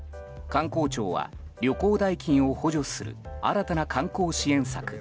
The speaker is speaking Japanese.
観光庁は旅行代金を補助する新たな観光支援策